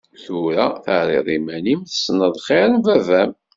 Tura terriḍ iman-im tessneḍ xir n baba-m.